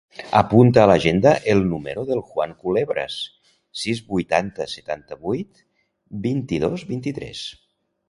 Apunta a l'agenda el número del Juan Culebras: sis, vuitanta, setanta-vuit, vint-i-dos, vint-i-tres.